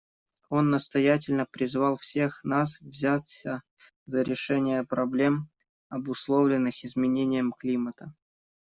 Он настоятельно призвал всех нас взяться за решение проблем, обусловленных изменением климата.